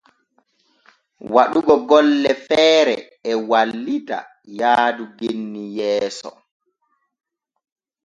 Waɗugo golle feere e wallita yaadu genni yeeso.